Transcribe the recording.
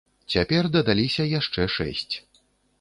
Цяпер дадаліся яшчэ шэсць.